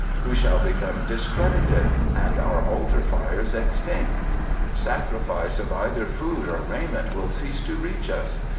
We shall become discredited and our altar fires extinct. Sacrifice of either food or raiment will cease to reach us.